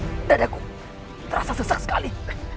tiba tiba dadaku terasa sesak sekali